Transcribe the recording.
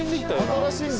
新しいんだ。